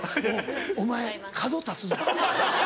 お前角立つぞ。